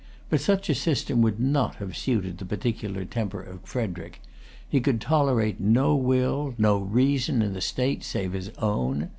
But such a system would not have suited the peculiar temper of Frederic. He could tolerate no will, no reason, in the state save his own.